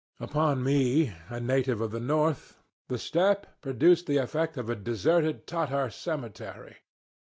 Upon me, a native of the north, the steppe produced the effect of a deserted Tatar cemetery.